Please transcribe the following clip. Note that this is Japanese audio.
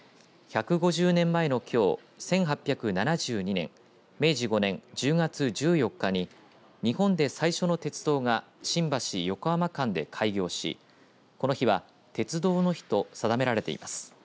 １５０年前のきょう、１８７２年明治５年１０月１４日に日本で最初の鉄道が新橋、横浜間で開業しこの日は鉄道の日と定められています。